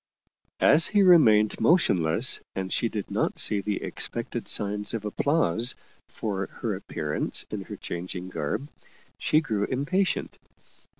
As he remained motionless and she did not see the expected signs of ap plause for her appearance in her changing garb, she grew impatient.